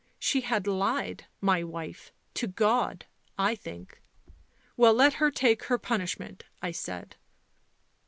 She had lied, my wife, to God, I think. Well, let her take her punishment, I said."